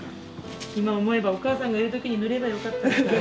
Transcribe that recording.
今思えばお母さんがいる時に塗ればよかった。